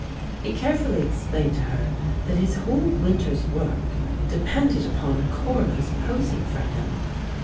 He carefully explained to her that his whole winter's work depended upon Cora's posing for him.